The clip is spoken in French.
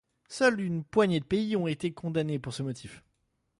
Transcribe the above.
Seule une poignée de pays ont été condamnés pour ce motif.